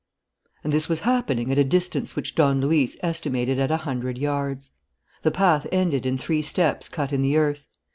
And this was happening at a distance which Don Luis estimated at a hundred yards. The path ended in three steps cut in the earth.